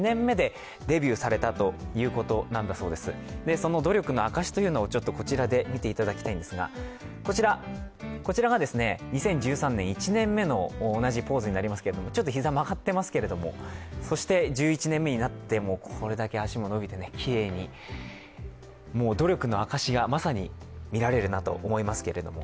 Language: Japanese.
その努力の証しというのをこちらで見ていただきたいんですがこちらが２０１３年１年目の同じポーズになりますけれども、ちょっと膝、曲がってますけれどもそして１１年目になってこれだけ脚も伸びてきれいに努力の証しがまさに見られるなと思いますけれども。